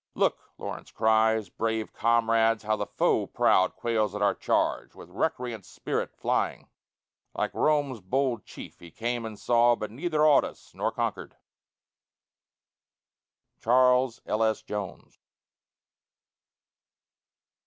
"Look," Lawrence cries, "brave comrades; how the foe proud Quails at our charge, with recreant spirit flying:" Like Rome's bold chief, he came and saw, but neither Awed us, nor conquer'd. CHARLES L. S. JONES.